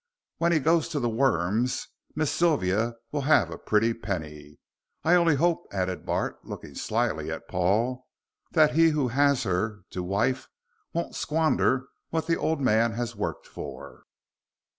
When he goes to the worms Miss Sylvia will have a pretty penny. I only hope," added Bart, looking slyly at Paul, "that he who has her to wife won't squander what the old man has worked for."